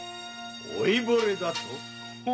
おいぼれだと？